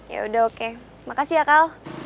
yaudah oke makasih ya kal